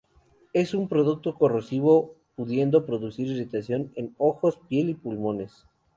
Es un producto corrosivo, pudiendo producir irritación en ojos, piel y pulmones.